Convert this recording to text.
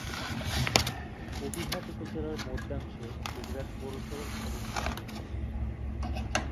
কবিরহাট উপজেলার মধ্যাংশে কবিরহাট পৌরসভার অবস্থান।